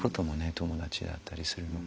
友達だったりするのかな。